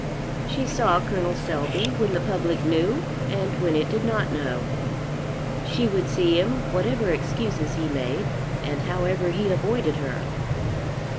She saw Col. Selby, when the public knew and when it did not know. She would see him, whatever excuses he made, and however he avoided her.